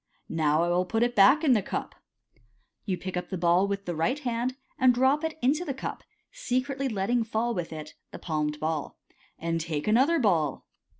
Now I will put it back in the cup " (you pick up the ball with the right hand, and drop it into the cup, secretly letting fall with it the palmed ball). »«6 MODERN MAGIC. *'*nd take another ball."